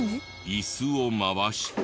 椅子を回して。